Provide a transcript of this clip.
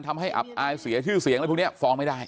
ทำให้อับอายเสียชื่อเสียงอะไรพวกนี้ฟ้องไม่ได้